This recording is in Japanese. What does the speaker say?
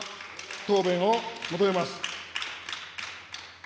答弁を求めます。